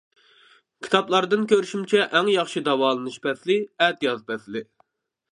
كىتابلاردىن كۆرۈشۈمچە ئەڭ ياخشى داۋالىنىش پەسلى، ئەتىياز پەسلى.